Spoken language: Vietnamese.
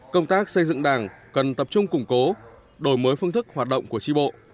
công tác xây dựng đảng cần tập trung củng cố đổi mới phương thức hoạt động của tri bộ